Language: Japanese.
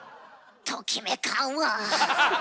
ときめかんわ。